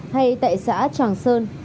hay tại xã tràng sơn